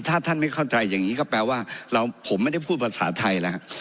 ถ้าท่านไม่เข้าใจอย่างนี้ก็แปลว่าผมไม่ได้พูดภาษาไทยแล้วครับ